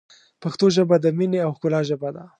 پښتو ژبه ، د مینې او ښکلا ژبه ده.